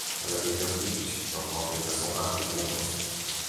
Elevator Pitch é uma apresentação rápida de negócios.